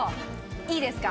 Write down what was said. いいですか？